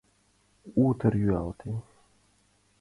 Утыр йӱлалтен.